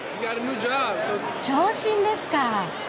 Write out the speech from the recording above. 昇進ですか！